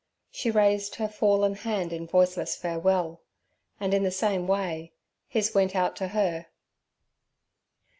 She raised her fallen hand in voiceless farewell, and in the same way his went out to her.